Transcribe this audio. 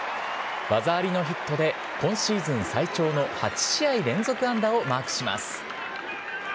技ありのヒットで今シーズン最長の８試合連続安打をマークします。